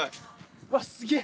うわすげえ。